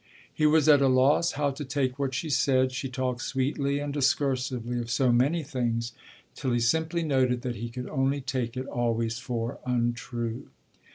He was at a loss how to take what she said she talked sweetly and discursively of so many things till he simply noted that he could only take it always for untrue.